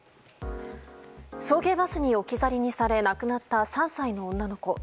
送迎バスに置き去りにされ亡くなった３歳の女の子。